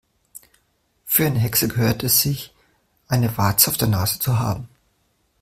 Für eine Hexe gehört es sich, eine Warze auf der Nase zu haben.